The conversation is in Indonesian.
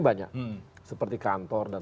banyak seperti kantor dan